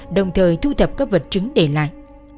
đồng thời thu thập các vật chứng để lại